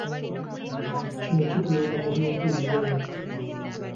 Kino kituyamba mu by'empuliziganya.